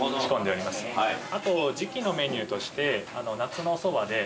あと時季のメニューとして夏のおそばで。